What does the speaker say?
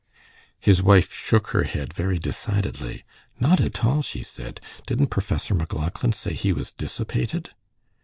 His wife shook her head very decidedly. "Not at all," she said. "Didn't Professor MacLauchlan say he was dissipated?"